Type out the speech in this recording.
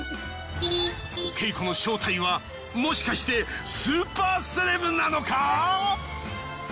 ＫＥＩＫＯの正体はもしかしてスーパーセレブなのか！？